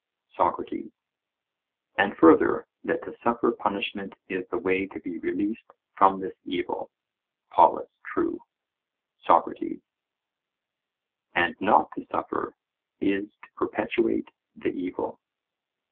SOCRATES: And further, that to suffer punishment is the way to be released from this evil? POLUS: True. SOCRATES: And not to suffer, is to perpetuate the evil?